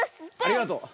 ありがとう。